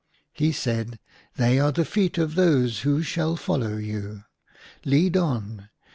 " He said, " They are the feet of those that shall follow you. Lead on